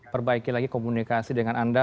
perbaiki lagi komunikasi dengan anda